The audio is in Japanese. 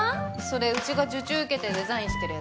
それうちが受注受けてデザインしてるやつ。